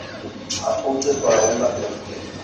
Apuntes para una filosofía".